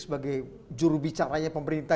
sebagai jurubicaranya pemerintah